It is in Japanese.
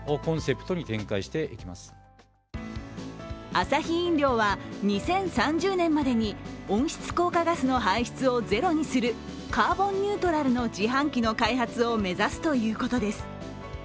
アサヒ飲料は２０３０年までに温室効果ガスの排出をゼロにするカーボンニュートラルの自販機の開発を目指すということです。